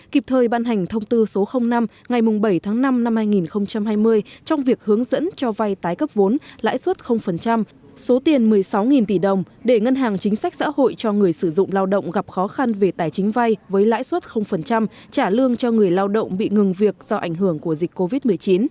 kịp thời ban hành thông tư số năm ngày bảy tháng năm năm hai nghìn hai mươi trong việc hướng dẫn cho vay tái cấp vốn lãi suất số tiền một mươi sáu tỷ đồng để ngân hàng chính sách xã hội cho người sử dụng lao động gặp khó khăn về tài chính vay với lãi suất trả lương cho người lao động bị ngừng việc do ảnh hưởng của dịch covid một mươi chín